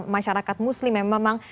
masyarakat muslim yang memang